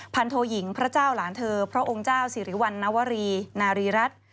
โทยิงพระเจ้าหลานเธอพระองค์เจ้าสิริวัณวรีนารีรัฐ